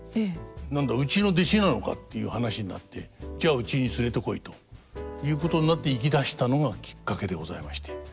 「何だうちの弟子なのか」っていう話になって「じゃあうちに連れてこい」ということになって行きだしたのがきっかけでございまして。